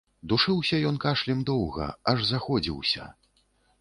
Душыўся ён кашлем доўга, аж заходзіўся.